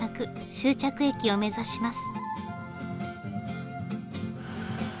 終着駅を目指します。